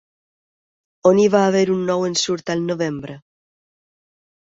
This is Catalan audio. On hi va haver un nou ensurt al novembre?